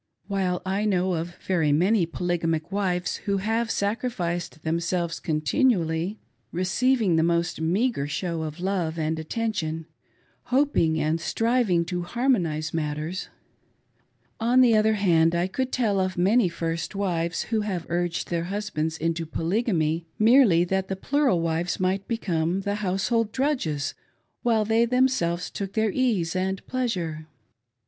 While I know of very many polygamic wives who have sacrificed themselves continually, receiving the most meagre, show of love and attention, hoping and striving to harmonise matters ; on the other hand I could tell of many first wives who have urged their husbands into, Polygamy, merely that the plural wives might become, the household drudges while they thernselves took their ease an4T pleasure.